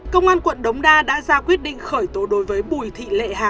công an quận đống đa đã ra quyết định khởi tố đối với bùi thị lê